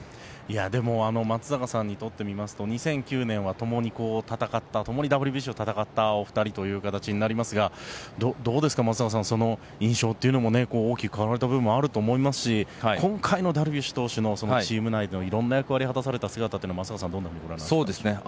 松坂さんにとってみますと２００９年はともにＷＢＣを戦ったお二人という形になりますがどうですか、松坂さん印象という意味でも大きく変わられた部分もあると思いますし今回のダルビッシュ選手のチーム内で果たされた役割は松坂さんはどのようにご覧になりますか。